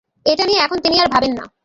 এটা নিয়ে এখন তিনি আর ভাববেন না।